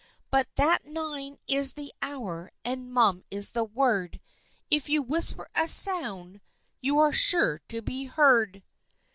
But that nine is the hour and ' mum ' is the word. If you whisper a sound you are sure to be heard.